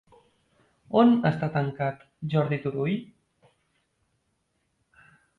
On està tancat Jordi Turull?